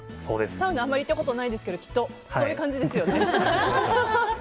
サウナ、あんまり行ったことないですけどきっとそういう感じですよね。